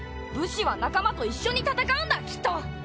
武士は仲間と一緒に戦うんだきっと！